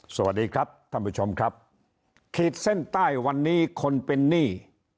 สวัสดีครับท่านผู้ชมครับขีดเส้นใต้วันนี้คนเป็นหนี้